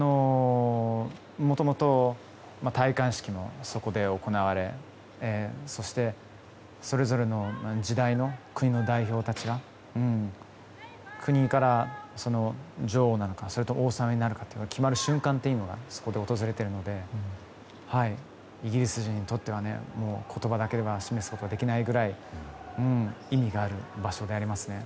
もともと戴冠式もそこで行われそして、それぞれの時代の国の代表たちが国から女王なのかそれと王様になる方が決まる瞬間というのがそこで訪れているのでイギリス人にとっては言葉だけでは示すことができないくらい意義がある場所ですね。